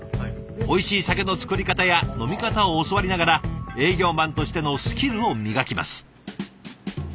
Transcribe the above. おいしい酒の作り方や飲み方を教わりながら営業マンとしてのスキルを磨きます。